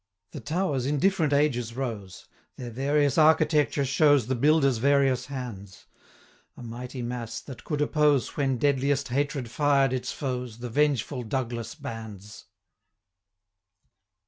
The towers in different ages rose; Their various architecture shows The builders' various hands; 205 A mighty mass, that could oppose, When deadliest hatred fired its foes, The vengeful Douglas bands.